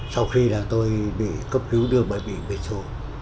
sau khi tôi bị cấp cứu đưa bởi bị bệnh số